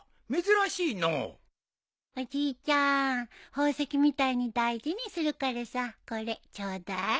宝石みたいに大事にするからさこれちょうだい。